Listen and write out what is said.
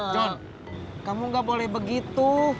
john kamu gak boleh begitu